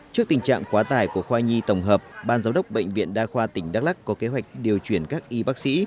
trước tình trạng quá tải của khoa nhi tổng hợp ban giám đốc bệnh viện đa khoa tỉnh đắk lắc có kế hoạch điều chuyển các y bác sĩ